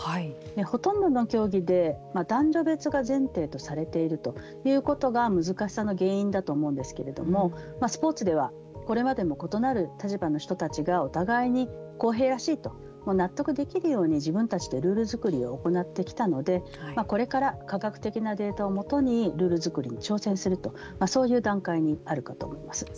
ほとんどの競技で男女別が前提とされているということが難しさの原因だと思うんですけれどもスポーツではこれまでも異なる立場の人たちがお互いに公平らしいと納得できるように自分たちでルール作りを行ってきたのでこれから科学的なデータを基にルール作りに挑戦するとそういう段階にあるかと思います。